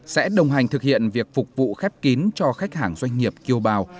sẽ đồng hành thực hiện việc phục vụ khép kín cho khách hàng doanh nghiệp kiều bào